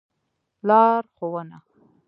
لار ښوونه